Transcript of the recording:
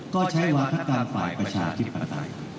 ก็ใช้วาธการฝ่ายประชาธิปไตย